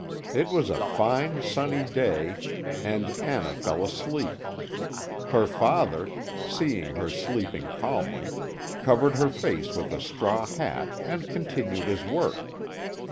It was a fine sunny day, and Anna fell asleep. Her father, seeing her sleeping calmly, covered her face with a straw hat, and continued his work.